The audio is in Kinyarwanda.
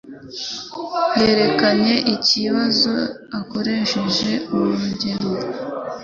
Yerekanye ikibazo akoresheje urugero.